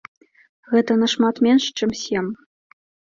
Гэта нашмат менш, чым сем.